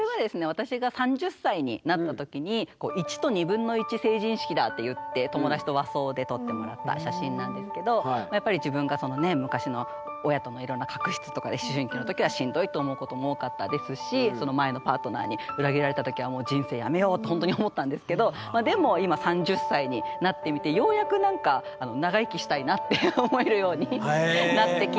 私が３０歳になった時にって言って友達と和装で撮ってもらった写真なんですけどやっぱり自分がそのね昔の親とのいろんな確執とかで思春期の時はしんどいと思うことも多かったですし前のパートナーに裏切られた時はもう人生やめようと本当に思ったんですけどでも今って思えるようになってきて。